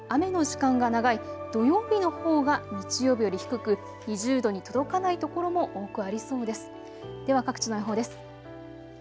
最高気温は雨の時間が長い土曜日のほうが日曜日より低く２０度に届かない所も多くありそうです。